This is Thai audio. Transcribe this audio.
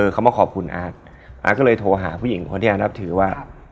เขามาขอบคุณอาร์ตอาร์ตก็เลยโทรหาผู้หญิงคนที่อาร์ตนับถือว่า